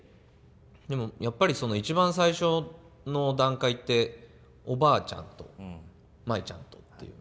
でもやっぱり一番最初の段階っておばあちゃんと舞ちゃんとっていう。